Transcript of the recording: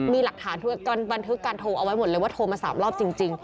มีหลักฐานด้วยการบันทึกการโทรเอาไว้หมดเลยว่าโทรมา๓รอบจริง